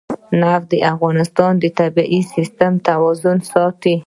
نفت د افغانستان د طبعي سیسټم توازن ساتي.